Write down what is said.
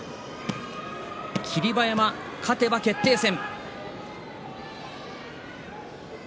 霧馬山、勝てば優勝決定戦。